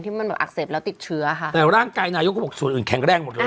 มันแบบอักเสบแล้วติดเชื้อค่ะแต่ร่างกายนายกเขาบอกส่วนอื่นแข็งแรงหมดเลย